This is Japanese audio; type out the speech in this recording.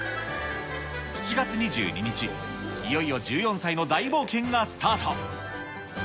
７月２２日、いよいよ１４歳の大冒険がスタート。